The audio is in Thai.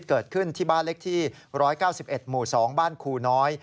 เกิดขึ้นที่บ้านเล็กที่๑๙๑หมู่๒บ้านครูน้อย